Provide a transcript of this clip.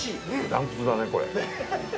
断トツだね、これ。